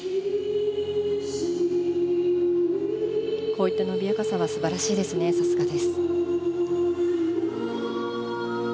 こういった伸びやかさは素晴らしいですね、さすがです。